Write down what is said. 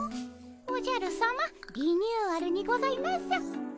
おじゃるさまリニューアルにございます。